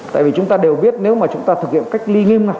tại vì chúng ta đều biết nếu mà chúng ta thực hiện cách ly nghiêm ngặt